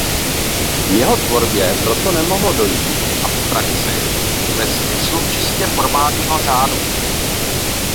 V jeho tvorbě proto nemohlo dojít k abstrakci ve smyslu čistě formálního řádu.